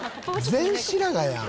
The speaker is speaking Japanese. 全白髪やん！